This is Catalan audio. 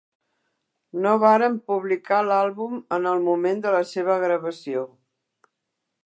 No varen publicar l'àlbum en el moment de la seva gravació.